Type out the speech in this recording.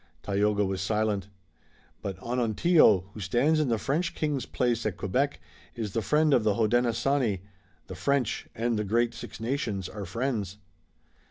Tayoga was silent. "But Onontio, who stands in the French king's place at Quebec, is the friend of the Hodenosaunee. The French and the great Six Nations are friends."